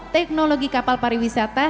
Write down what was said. teknologi kapal pariwisata